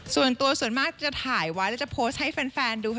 ส่วนตัวส่วนมากจะถ่ายไว้แล้วจะโพสต์ให้แฟนดูค่ะ